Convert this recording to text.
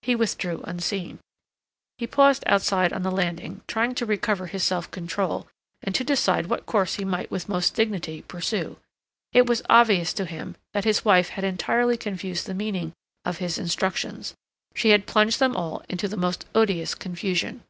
He withdrew unseen. He paused outside on the landing trying to recover his self control and to decide what course he might with most dignity pursue. It was obvious to him that his wife had entirely confused the meaning of his instructions. She had plunged them all into the most odious confusion.